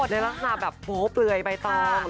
ในลักษณะแบบโป๊ะเปลือยใบตอง